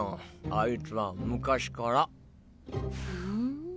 あいつは昔から。